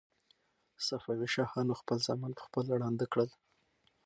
صفوي شاهانو خپل زامن په خپله ړانده کړل.